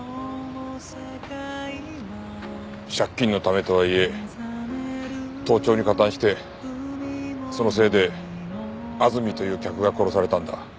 借金のためとはいえ盗聴に加担してそのせいで安住という客が殺されたんだ。